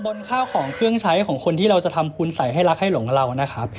ข้าวของเครื่องใช้ของคนที่เราจะทำคุณใส่ให้รักให้หลงกับเรานะครับ